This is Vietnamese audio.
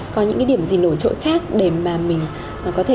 có những cái điểm gì nổi trội khác để mà mình có thể